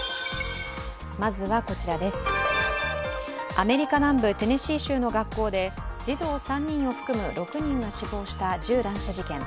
アメリカ南部テネシー州の学校で児童３人を含む６人が死亡した銃乱射事件。